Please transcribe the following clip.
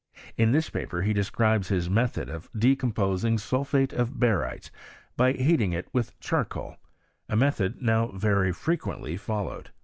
In this paper he describes his melhod of decomposing sulphate of barytes, by heating it with charcoal — a method now very frequently followed.